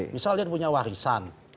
misalnya dia punya warisan